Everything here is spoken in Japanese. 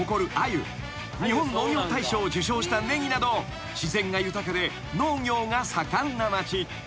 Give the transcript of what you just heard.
［日本農業大賞を受賞したネギなど自然が豊かで農業が盛んな町］